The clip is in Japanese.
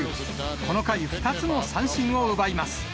この回、２つの三振を奪います。